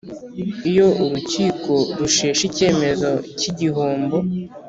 Iyo urukiko rusheshe icyemezo cy igihombo